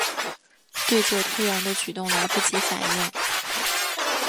对这突然的举动来不及反应